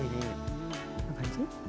こんな感じ？